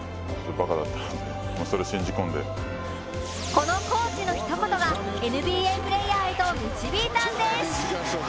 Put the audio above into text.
このコーチのひと言がＮＢＡプレイヤーへと導いたんです！